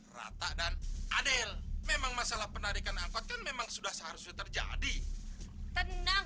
rata dan adil memang masalah penarikan angkot kan memang sudah seharusnya terjadi karena